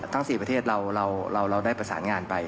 ทั้ง๔ประเทศเราได้ประสานงานไป